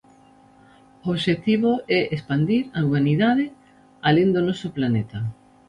O obxectivo é expandir a humanidade alén do noso planeta.